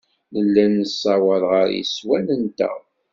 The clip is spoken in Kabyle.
Nella nessawaḍ ɣer yeswan-nteɣ.